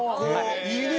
いいね！